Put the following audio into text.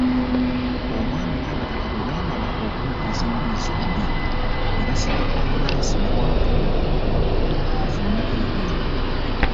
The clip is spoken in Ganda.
Omwami n'abataka bwe baamala okuwuliriza enjuyi zombi, ne basaba Anansi ne Wampungu bafulumeko ebweru.